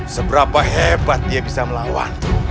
seberapa hebat dia bisa melawan